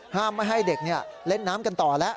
ไม่ให้เด็กเล่นน้ำกันต่อแล้ว